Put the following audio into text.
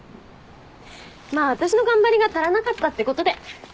まあ私の頑張りが足らなかったってことで。